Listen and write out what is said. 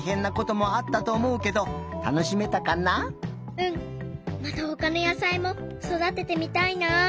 うん。またほかの野さいもそだててみたいな。